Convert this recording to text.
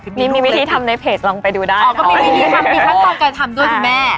อ๋อก็มีวิธีทำมีขั้นต่อการทำด้วยคุณแม่